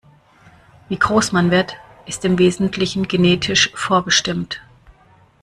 Wie groß man wird, ist im Wesentlichen genetisch vorbestimmt.